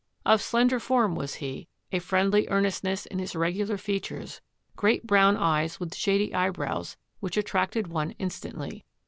"Of slender form was he, a friendly earnestness in his regular fea tures, great brown eyes with shady eyebrows which at tracted one instantly."